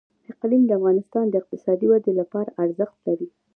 اقلیم د افغانستان د اقتصادي ودې لپاره ارزښت لري.